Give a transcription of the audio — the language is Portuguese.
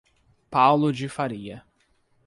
Paulo de Faria